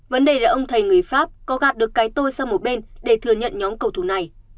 vấn đề là ông thầy người pháp có gạt được cái tôi sang một bên để thừa nhận nhóm cầu thủ này